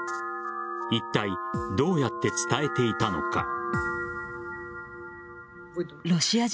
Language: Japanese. いったいどうやって伝えていたのか。